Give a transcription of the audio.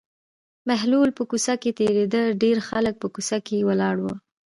بهلول په کوڅه کې تېرېده ډېر خلک په کوڅه کې ولاړ وو.